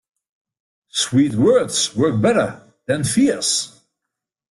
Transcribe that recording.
Sweet words work better than fierce.